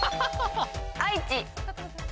愛知。